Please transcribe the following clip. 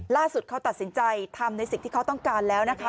ล่าสุดเขาตัดสินใจทำในสิ่งที่เขาต้องการแล้วนะคะ